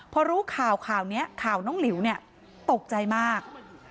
พอรู้ข่าวข่าวนี้ข่าวน้องหลิวตกใจมาก